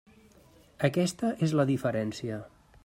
Aquesta és la diferència.